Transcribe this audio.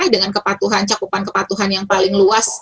dengan kepatuhan cakupan kepatuhan yang paling luas